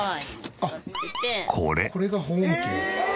これが保温器？